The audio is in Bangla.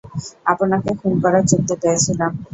আপনাকে খুন করার চুক্তি পেয়েছিলাম।